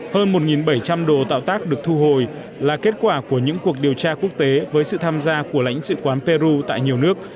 hơn một bảy trăm linh đồ tạo tác được thu hồi là kết quả của những cuộc điều tra quốc tế với sự tham gia của lãnh sự quán peru tại nhiều nước